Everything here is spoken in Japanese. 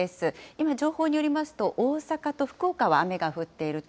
今、情報によりますと、大阪と福岡は雨が降っていると。